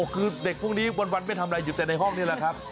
คือเด็กพวกนี้วันไม่ทำอะไรอยู่แต่ในห้องนี่แหละครับ